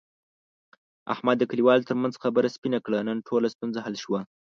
احمد د کلیوالو ترمنځ خبره سپینه کړه. نن ټوله ستونزه حل شوه.